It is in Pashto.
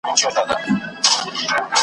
او پیسې یې ترلاسه کولې .